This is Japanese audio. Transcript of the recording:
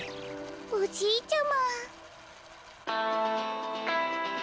おじいちゃま。